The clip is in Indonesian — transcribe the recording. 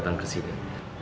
terima kasih nek